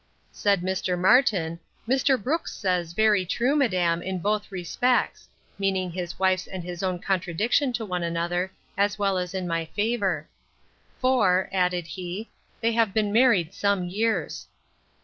Said Mr. Martin, Mr. Brooks says very true, madam, in both respects; (meaning his wife's and his own contradiction to one another, as well as in my favour;) for, added he, they have been married some years.